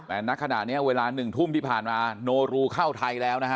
แต่ณขณะนี้เวลา๑ทุ่มที่ผ่านมาโนรูเข้าไทยแล้วนะฮะ